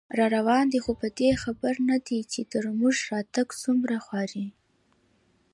راروان دی خو په دې خبر نه دی، چې تر موږه راتګ څومره خواري